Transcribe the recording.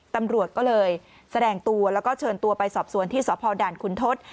ตำรวจก็เลยแสดงตัวแล้วก็เชิญตัวไปสอบสวนที่สพด่านคุณทศ